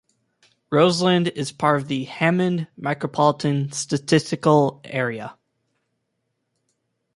Roseland is part of the Hammond Micropolitan Statistical Area.